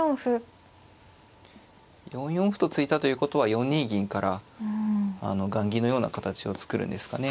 ４四歩と突いたということは４二銀から雁木のような形を作るんですかね。